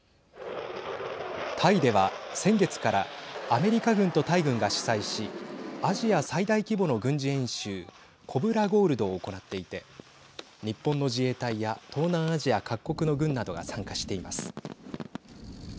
タイでは先月からアメリカ軍とタイ軍が主催しアジア最大規模の軍事演習コブラ・ゴールドを行っていて日本の自衛隊や東南アジア各国の軍などが参加しています。